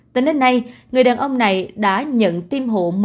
từ nơi này người đàn ông này đã nhận tiêm hộ